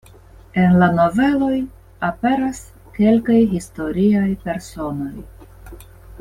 En la noveloj aperas kelkaj historiaj personoj.